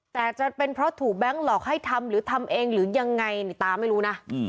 แต่จะเป็นเพราะถูกแบงค์หลอกให้ทำหรือทำเองหรือยังไงนี่ตาไม่รู้นะ